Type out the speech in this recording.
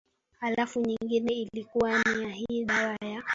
alafu nyingine ilikuwa ni ni hii dawa ya